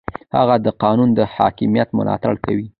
هغه د قانون د حاکمیت ملاتړ کوي.